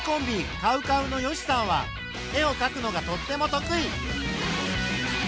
ＣＯＷＣＯＷの善しさんは絵をかくのがとっても得意。